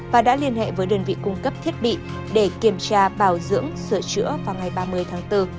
và đã liên hệ với đơn vị cung cấp thiết bị để kiểm tra bảo dưỡng sửa chữa vào ngày ba mươi tháng bốn